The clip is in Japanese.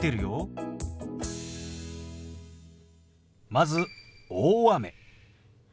まず「大雨」。